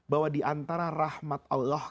bahwa diantara rahmat allah